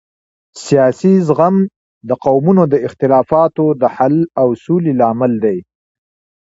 سیاسي زغم د قومونو د اختلافاتو د حل او سولې لامل دی